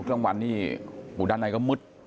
กลางวันนี่ด้านในก็มืด